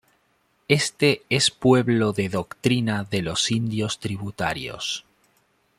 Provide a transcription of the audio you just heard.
Este es pueblo de doctrina de indios tributarios.